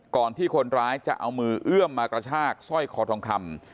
ก่อนที่คนร้ายจะเอามือเอื้อมมากระชากสร้อยคอทองคำ